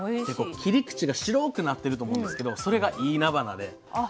で切り口が白くなってると思うんですけどそれがいいなばなで。